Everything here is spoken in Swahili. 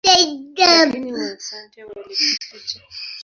Lakini Waasante walikificha.